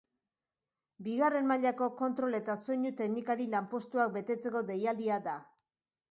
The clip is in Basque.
Bigarren mailako kontrol eta soinu teknikari lanpostuak betetzeko deialdia da.